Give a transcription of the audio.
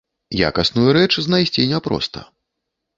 Якасную рэч знайсці няпроста.